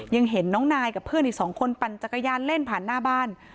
ยังเห็นน้องนายกับเพื่อนอีกสองคนปั่นจักรยานเล่นผ่านหน้าบ้าน